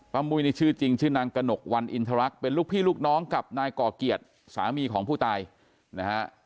มุ้ยนี่ชื่อจริงชื่อนางกระหนกวันอินทรักเป็นลูกพี่ลูกน้องกับนายก่อเกียรติสามีของผู้ตายนะฮะ